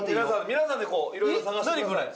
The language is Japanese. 皆さんでいろいろ探してください